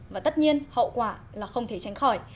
và tất nhiên hậu quả là không thể tránh khỏi